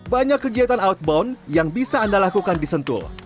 banyak kegiatan outbound yang bisa anda lakukan di sentul